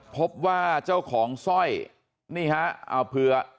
พบว่าเจ้าของสร้อยนี่ฮะเอาเผื่อ